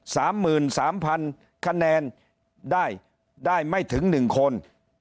สามหมื่นสามพันคะแนนได้ได้ไม่ถึงหนึ่งคน